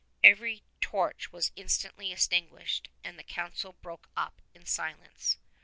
Every torch was instantly extinguished, and the Council broke up in silence.